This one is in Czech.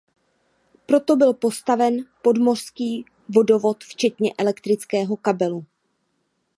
Proto byl postaven podmořský vodovod včetně elektrického kabelu.